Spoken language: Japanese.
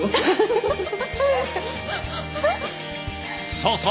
そうそう！